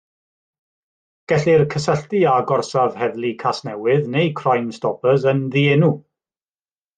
Gellir cysylltu â gorsaf heddlu Casnewydd neu Crimestoppers yn ddienw.